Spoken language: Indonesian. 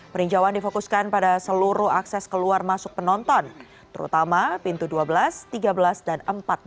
peninjauan difokuskan pada seluruh akses keluar masuk penonton terutama pintu dua belas tiga belas dan empat belas